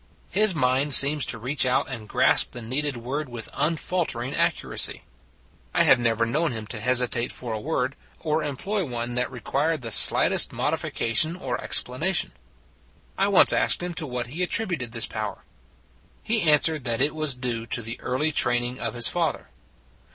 His mind seems to reach out and grasp the needed word with unfaltering accuracy. I have never known him to hes itate for a word, or employ one that re quired the slightest modification or expla nation. " I once asked him to what he attributed this power. " He answered that it was due to the early training of his father.